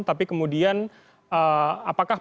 tapi kemudian apakah pembiayaan